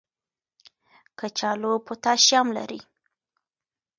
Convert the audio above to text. کچالو پوټاشیم لري.